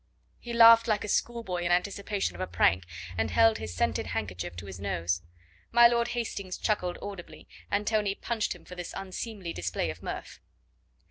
He laughed like a schoolboy in anticipation of a prank, and held his scented handkerchief to his nose. My Lord Hastings chuckled audibly, and Tony punched him for this unseemly display of mirth.